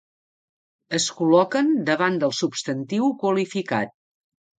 Es col·loquen davant del substantiu qualificat.